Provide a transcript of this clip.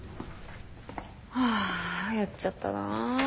ハァやっちゃったな。